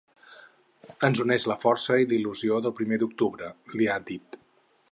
Ens uneix la força i la il·lusió del Primer d’Octubre, li ha dit.